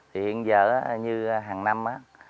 hiện giờ như hàng năm